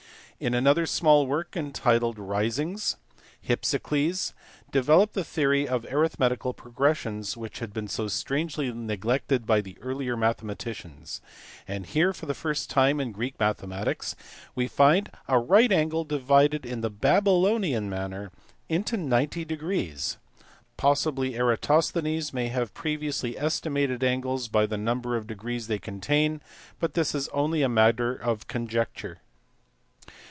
In another small work, entitled Risings, Hypsicles^ developed the theory of arithmetical progressions which had been so strangely neglected by the earlier mathe maticians, and here for the first time in Greek mathematics we find a right angle divided in the Babylonian manner into 90 degrees ; possibly Eratosthenes may have previously esti mated angles by the number of degrees they contain, but this is only a matter of conjecture.